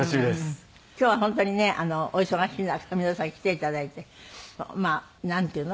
今日は本当にねお忙しい中皆さん来ていただいてまあなんていうの？